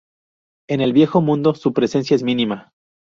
En el viejo mundo su presencia es mínima.